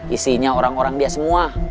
isinya orang orang dia semua